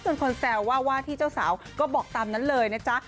คนแซวว่าว่าที่เจ้าสาวก็บอกตามนั้นเลยนะจ๊ะ